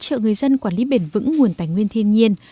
hỗ trợ người dân quản lý bền vững nguồn tài nguyên thiên nhiên